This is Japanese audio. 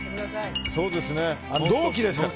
同期ですから。